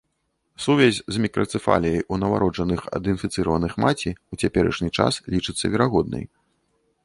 Сувязь з мікрацэфаліяй ў нованароджаных ад інфіцыраваных маці ў цяперашні час лічыцца верагоднай.